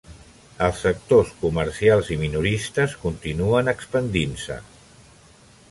Els sectors comercials i minoristes continuen expandint-se.